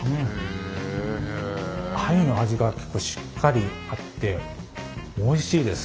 鮎の味が結構しっかりあっておいしいです。